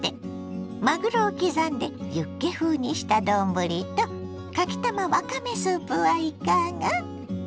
まぐろを刻んでユッケ風にした丼とかきたまわかめスープはいかが。